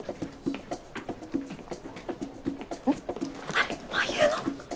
あれ俳優の。